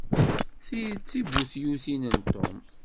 Ti d tibutyutin n Tom.